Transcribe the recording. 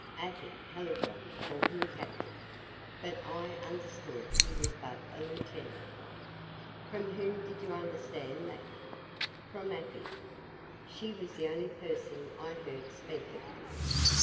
"Afy Hallijohn called him captain; but I understood he was but a lieutenant." "From whom did you understand that?" "From Afy. She was the only person I heard speak of him."